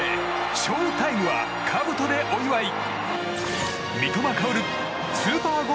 ショウタイムはかぶとでお祝い。